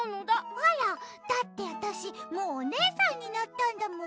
あら？だってわたしもうおねえさんになったんだもん。